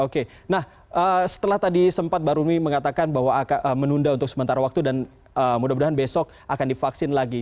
oke nah setelah tadi sempat mbak rumi mengatakan bahwa akan menunda untuk sementara waktu dan mudah mudahan besok akan divaksin lagi